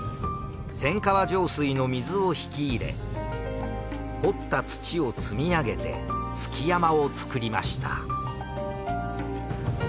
千川上水の水を引き入れ掘った土を積み上げて築山を造りました。